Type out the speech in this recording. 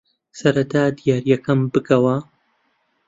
سەرەتا دیارییەکەم بکەوە.